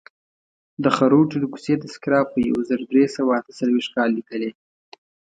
د خروټو د کوڅې تذکره په یو زر درې سوه اته څلویښت کال لیکلې.